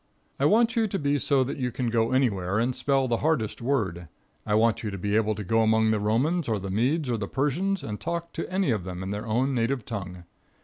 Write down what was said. I want you to be so that you can go anywhere and spell the hardest word. I want you to be able to go among the Romans or the Medes and Persians and talk to any of them in their own native tongue.